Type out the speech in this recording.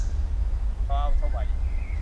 ดาวไสว